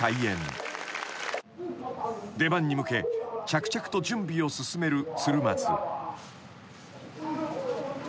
［出番に向け着々と準備を進める鶴松］